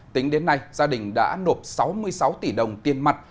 tính đến nay gia đình đã nộp sáu mươi sáu tỷ đồng tiền mặt